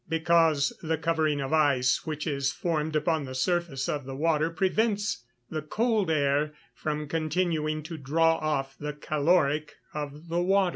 _ Because the covering of ice which is formed upon the surface of the water prevents the cold air from continuing to draw off the caloric of the water.